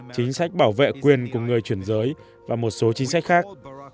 chính sách bảo vệ quyền của người chuyển giới và một số chính sách khác